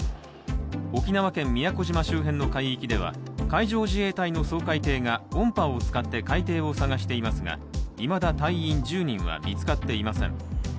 沖縄県宮古島周辺の海域では海上自衛隊の掃海艇が海底を捜していますがいまだ隊員１０人は見つかっていません。